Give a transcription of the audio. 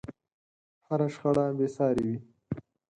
هره شخړه بې سارې وي.